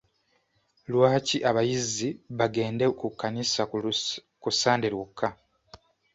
Lwaki abayizi bagende ku kkanisa ku Sande lwokka?